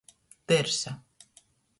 Dyrsa.